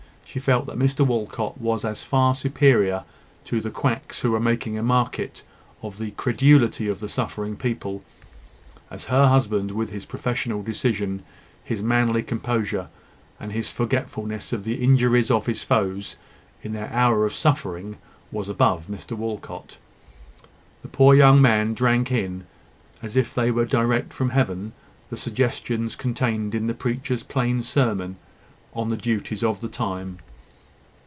She felt that Mr Walcot was as far superior to the quacks who were making a market of the credulity of the suffering people, as her husband, with his professional decision, his manly composure, and his forgetfulness of the injuries of his foes in their hour of suffering, was above Mr Walcot. The poor young man drank in, as if they were direct from Heaven, the suggestions contained in the preacher's plain sermon on the duties of the time.